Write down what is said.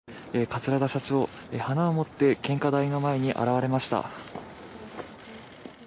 桂田社長、花を持って献花台の前に現れました。